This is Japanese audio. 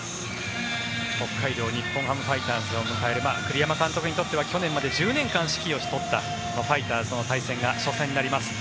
北海道日本ハムファイターズを迎える栗山監督にとっては去年まで１０年間指揮を執ったファイターズとの対戦が初戦になります。